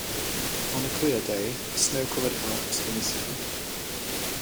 On a clear day, the snow-covered Alps can be seen.